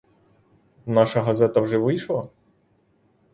Наша газета вже вийшла?